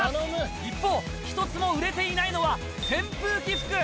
一方、一つも売れていないのは扇風機服。